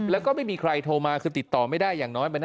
แล้วก็ไม่มีใครโทรมาคือติดต่อไม่ได้อย่างน้อย